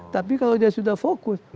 tapi kalau dia sudah fokus